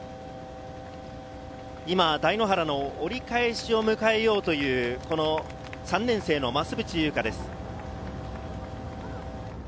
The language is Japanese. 今、台原の折り返しを迎えようという３年生の増渕祐香です。